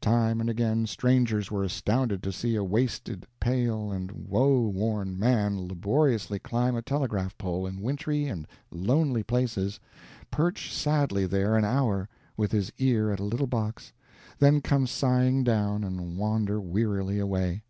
Time and again, strangers were astounded to see a wasted, pale, and woe worn man laboriously climb a telegraph pole in wintry and lonely places, perch sadly there an hour, with his ear at a little box, then come sighing down, and wander wearily away.